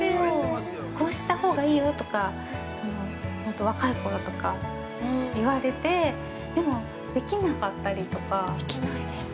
こうしたほうがいいよとか、ほんと若いころとか言われてでもできなかったりとか◆できないです。